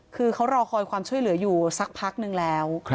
คือเขารอคอยความช่วยเหลืออยู่สักพักนึงแล้ว